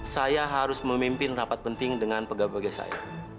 saya harus memimpin rapat penting dengan pegabagai saya